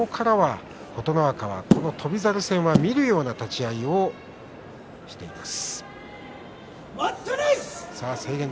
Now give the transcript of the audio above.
そこからは琴ノ若翔猿戦は見るような立ち合いをしています。